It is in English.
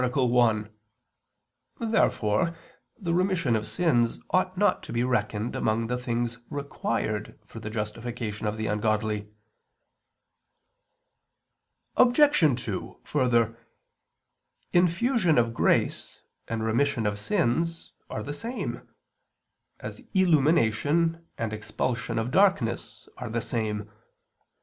Therefore the remission of sins ought not to be reckoned among the things required for the justification of the ungodly. Obj. 2: Further, infusion of grace and remission of sins are the same; as illumination and expulsion of darkness are the same.